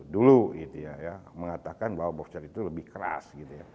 dulu mengatakan bahwa boxer itu lebih keras